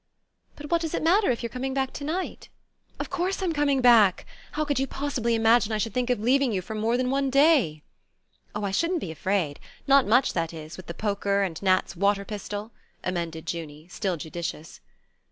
"But what does it matter, if you're coming back to night?" "Of course I'm coming back! How could you possibly imagine I should think of leaving you for more than a day?" "Oh, I shouldn't be afraid not much, that is, with the poker, and Nat's water pistol," emended Junie, still judicious.